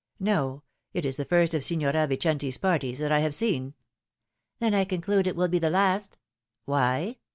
" No; it is the first of Signora Vicenti's parties that I have seen "" Then I conclude it will be the last." Why